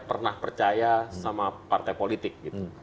pernah percaya sama partai politik